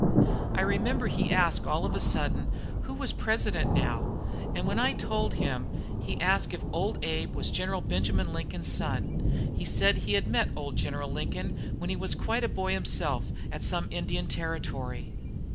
"I remember he asked, all of a sudden, who was President now; and when I told him, he asked if Old Abe was General Benjamin Lincoln's son. He said he met old General Lincoln, when he was quite a boy himself, at some Indian treaty.